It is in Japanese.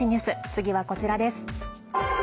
次はこちらです。